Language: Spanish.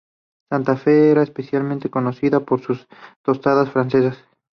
Santa Fe era especialmente conocida por sus tostadas francesas.